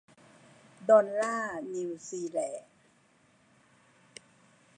ดอลลาร์นิวซีแลนด์